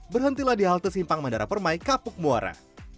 berhentilah di halte simpang mandara permai kapuk muara